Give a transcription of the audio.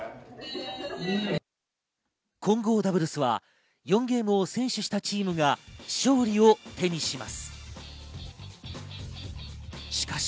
混合ダブルスは４ゲームを先取したチームが勝利を手にします。